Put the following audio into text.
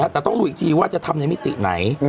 แต่ต้องรู้อีกทีว่าจะทำในมิติไหน